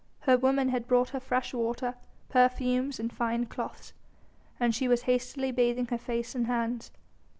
Her women had brought her fresh water, perfumes and fine cloths, and she was hastily bathing her face and hands.